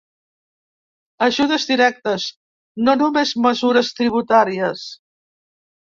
Ajudes directes, no només mesures tributàries.